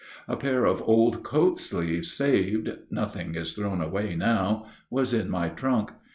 A pair of old coat sleeves saved nothing is thrown away now was in my trunk.